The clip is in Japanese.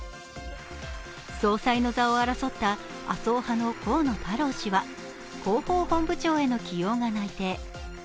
総裁の座を争った麻生派の河野太郎氏は広報本部長に内定。